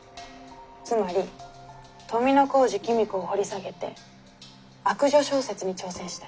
つまり富小路公子を掘り下げて悪女小説に挑戦したい。